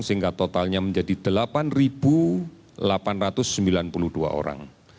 sehingga totalnya menjadi delapan delapan ratus sembilan puluh dua orang